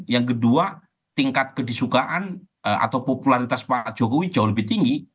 yang kedua tingkat kedisukaan atau popularitas pak jokowi jauh lebih tinggi